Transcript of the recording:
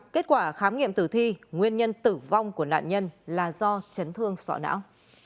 kết quả khám nghiệm tử thi nguyên nhân tử vong của nạn nhân là do chấn thương sọ não